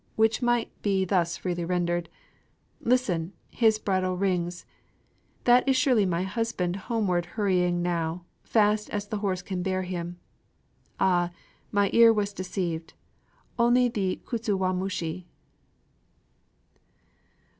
which might be thus freely rendered: Listen! his bridle rings; that is surely my husband Homeward hurrying now fast as the horse can bear him!... Ah! my ear was deceived! only the Kutsuwamushi!